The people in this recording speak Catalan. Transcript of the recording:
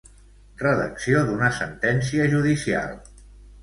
Redacció d'una sentència judicial.